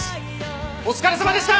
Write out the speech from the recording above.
お疲れさまでした！